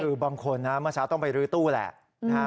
คือบางคนนะเมื่อเช้าต้องไปรื้อตู้แหละ